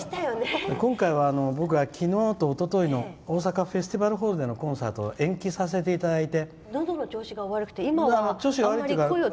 今回は僕が昨日とおとといの大阪フェスティバルホールでのコンサートを延期させていただいて。